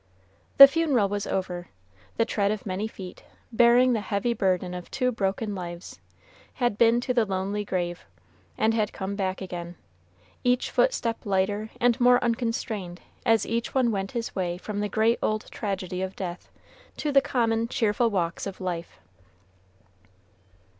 The funeral was over; the tread of many feet, bearing the heavy burden of two broken lives, had been to the lonely graveyard, and had come back again, each footstep lighter and more unconstrained as each one went his way from the great old tragedy of Death to the common cheerful walks of Life.